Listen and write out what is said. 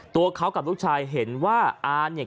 ตัวเขากับลูกชายเห็นว่าอาเนี่ย